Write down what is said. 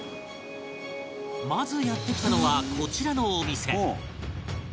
まずやって来たのはこちらのお店